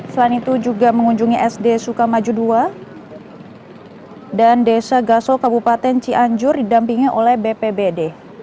selain itu juga mengunjungi sd sukamaju ii dan desa gaso kabupaten cianjur didampingi oleh bpbd